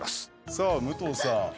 さあ、武藤さん。